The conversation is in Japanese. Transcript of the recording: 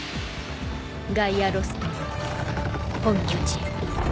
ガイアロストの本拠地へ。